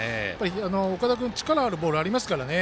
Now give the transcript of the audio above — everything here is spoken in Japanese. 岡田君、力あるボールありますからね。